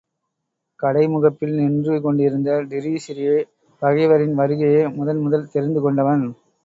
கடைமுகப்பில் நின்று கொண்டிருந்த டிரீஸியே பகைவரின் வருகையை முதன் முதல் தெரிந்து கொண்டவன்.